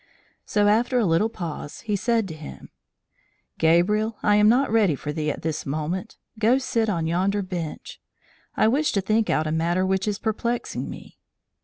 So after a little pause, he said to him: "Gabriel, I am not ready for thee at this moment; go sit on yonder bench. I wish to think out a matter which is perplexing me."